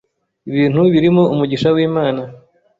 ibintu birimo umugisha w’Imana,